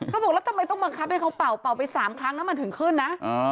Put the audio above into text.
เขาบอกแล้วทำไมต้องบังคับให้เขาเป่าเป่าไป๓ครั้งแล้วมันถึงขึ้นนะ